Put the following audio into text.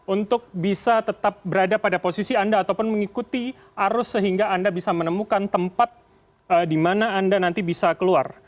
untuk bisa tetap berada pada posisi anda ataupun mengikuti arus sehingga anda bisa menemukan tempat di mana anda nanti bisa keluar